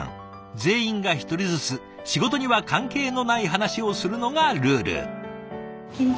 全員が１人ずつ仕事には関係のない話をするのがルール。